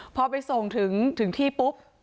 พอไปส่งถึงที่ปุ๊บ